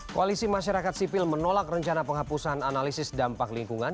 koalisi masyarakat sipil menolak rencana penghapusan analisis dampak lingkungan